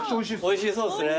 おいしそうっすね。